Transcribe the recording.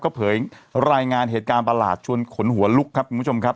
ก็เผยรายงานเหตุการณ์ประหลาดชวนขนหัวลุกครับคุณผู้ชมครับ